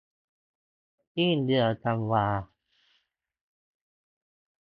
สิ้นเดือนธันวา